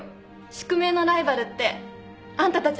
宿命のライバルってあんたたちのこと